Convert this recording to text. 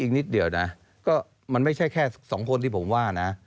อีกนิดเดียวนะมันไม่ใช่แค่๒คนที่ผมว่านะ